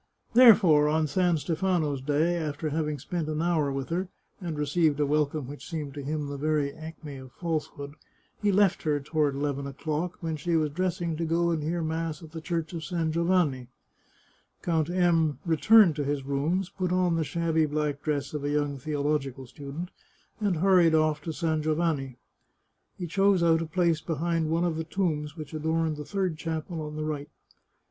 There fore, on San Stefano's Day, after having spent an hour with her, and received a welcome which seemed to him the very acme of falsehood, he left her, toward eleven o'clock, when 238 The Chartreuse of Parma she was dressing to go and hear mass at the Church of San Giovanni, Count M returned to his rooms, put on the shabby black dress of a young theological student, and hur ried off to San Giovanni. He chose out a place behind one of the tombs which adorned the third chapel on the right.